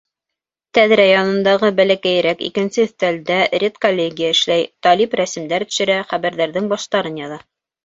Тәҙрә янындағы бәләкәйерәк икенсе өҫтәлдә редколлегия эшләй: Талип рәсемдәр төшөрә, хәбәрҙәрҙең баштарын яҙа.